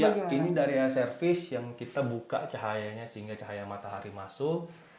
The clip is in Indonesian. ya ini dari service yang kita buka cahayanya sehingga cahaya matahari masuk